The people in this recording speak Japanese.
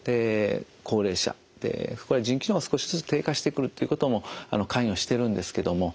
高齢者これは腎機能が少しずつ低下してくるということも関与してるんですけども。